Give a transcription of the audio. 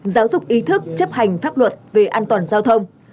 giáo dục ý thức chấp hành pháp luật về an toàn giao thông